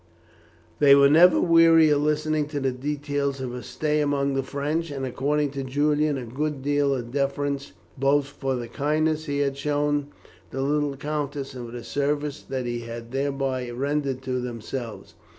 They were never weary of listening to the details of her stay among the French, and accorded to Julian a good deal of deference both for the kindness he had shown the little countess and for the service that he had thereby rendered to themselves.